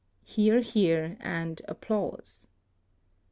(Hear, hear, and ap plause.)